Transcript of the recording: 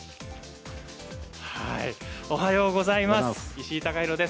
おはようございます。